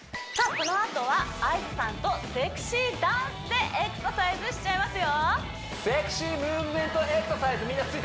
このあとはＩＧさんとセクシーダンスでエクササイズしちゃいますよ